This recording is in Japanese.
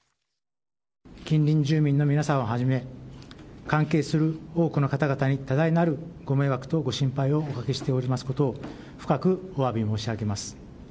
近隣住民の皆様はじめ、関係する多くの方々に多大なるご迷惑とご心配をおかけしておりますことを、深くおわびを申し上げます。